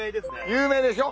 有名でしょ？